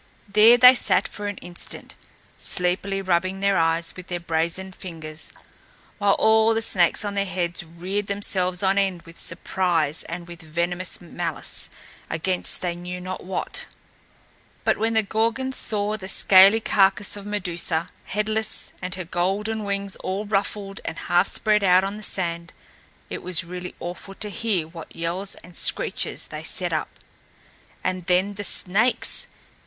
There they sat for an instant, sleepily rubbing their eyes with their brazen fingers, while all the snakes on their heads reared themselves on end with surprise and with venomous malice against they knew not what. But when the Gorgons saw the scaly carcass of Medusa, headless, and her golden wings all ruffled and half spread out on the sand, it was really awful to hear what yells and screeches they set up. And then the snakes!